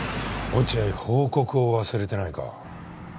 落合報告を忘れてないか？